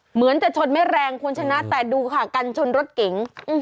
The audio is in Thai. เหมือนจะชนไม่แรงคุณชนะแต่ดูค่ะกันชนรถเก๋ง